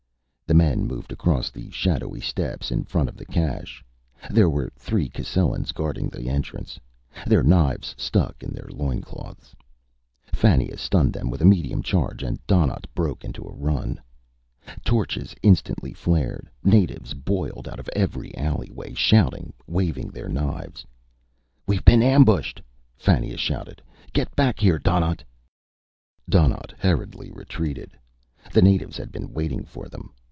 The men moved across the shadowy steps in front of the cache. There were three Cascellans guarding the entrance, their knives stuck in their loincloths. Fannia stunned them with a medium charge, and Donnaught broke into a run. Torches instantly flared, natives boiled out of every alleyway, shouting, waving their knives. "We've been ambushed!" Fannia shouted. "Get back here, Donnaught!" Donnaught hurriedly retreated. The natives had been waiting for them.